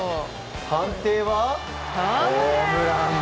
判定は、ホームラン！